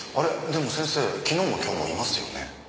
でも先生昨日も今日もいますよね。